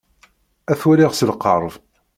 Ad t-waliɣ s lqerb.